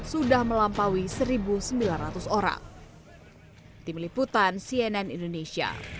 sudah melampaui satu sembilan ratus orang